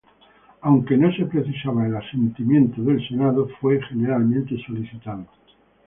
Aunque no se precisaba el asentimiento del Senado, fue generalmente solicitado.